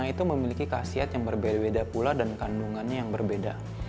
warna itu memiliki khasiat yang berbeda beda pula dan kandungannya yang berbeda